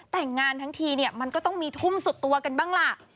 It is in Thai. แต่งงานทั้งทีเนี่ยมันก็ต้องมีทุ่มสุดตัวกันบ้างล่ะ